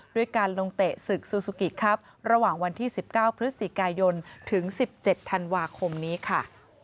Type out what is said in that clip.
ด้วยการลงเตะศึกซูซูกิครับระหว่างวันที่๑๙พฤศจิกายนถึง๑๗ธันวาคมนี้ค่ะ